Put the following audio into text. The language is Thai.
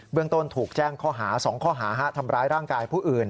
เรื่องต้นถูกแจ้งข้อหา๒ข้อหาทำร้ายร่างกายผู้อื่น